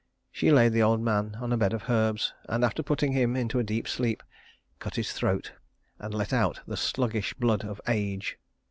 She laid the old man on a bed of herbs, and after putting him into a deep sleep, cut his throat and let out the sluggish blood of age.